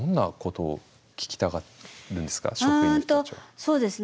そうですね